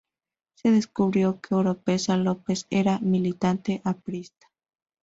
Se descubrió que Oropeza López, era militante aprista.